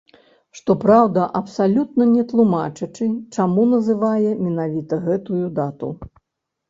Што праўда, абсалютна не тлумачачы, чаму называе менавіта гэтую дату.